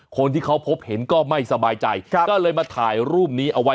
คนที่เขาพบเห็นก็ไม่สบายใจก็เลยมาถ่ายรูปนี้เอาไว้